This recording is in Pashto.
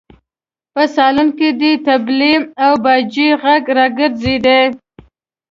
په سالون کې د تبلې او باجې غږ راګرځېده.